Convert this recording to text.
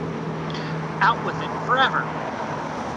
Out with it forever!